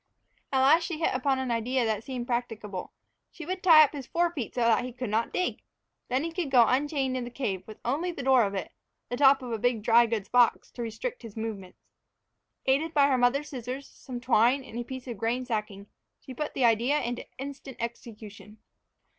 At last she hit upon an idea that seemed practicable. She would tie up his fore feet so that he could not dig! Then he could go unchained in the cave, with only the door of it the top of a big dry goods box to restrict his movements. Aided by her mother's scissors, some twine, and a piece of grain sacking, she put the idea into instant execution.